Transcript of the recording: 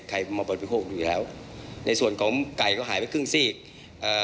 ใครมาบริโภคอยู่แล้วในส่วนของไก่ก็หายไปครึ่งซีกเอ่อ